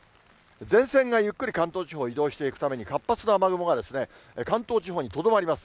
前線がゆっくり関東地方を移動していくために、活発な雨雲が関東地方にとどまります。